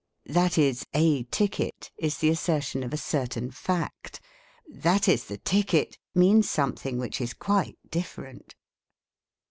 " That is a ticket" is the assertion of a certain fact ; but " That is the ticket !" means something which is quite different.